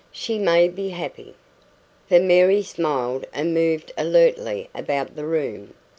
"She may be happy." For Mary smiled and moved alertly about the room.